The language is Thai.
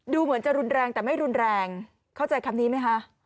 เหมือนจะรุนแรงแต่ไม่รุนแรงเข้าใจคำนี้ไหมคะ